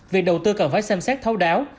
việc đầu tư cần phải xem xét thấu đáo